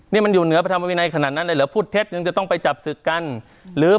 นี่มันอยู่เหนือพระธรรมวินัยขนาดนั้นหรือพูดเท็จจึงจะต้องไปจับศึก